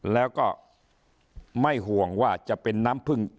แล้วก็ไม่ห่วงว่าจะเป็นน้ำพึ่ง